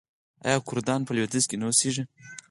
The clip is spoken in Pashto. آیا کردان په لویدیځ کې نه اوسیږي؟